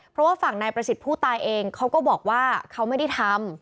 เพราะว่าฝั่งนายประสิทธิ์ผู้ตายเองเขาก็บอกว่าเขาไม่ได้ทำ